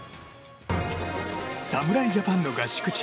侍ジャパンの合宿地